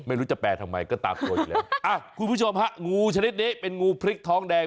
ไม่รู้จะแปลทำไมก็ตามตัวอยู่แล้วอ่ะคุณผู้ชมฮะงูชนิดนี้เป็นงูพริกท้องแดง